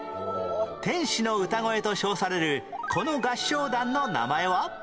天使の歌声と称されるこの合唱団の名前は？